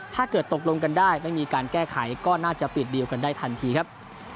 ถ้าเกิดตกลงกันได้ไม่มีการแก้ไขก็น่าจะปิดดีลกันได้ทันทีครับ